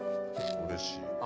うれしいね。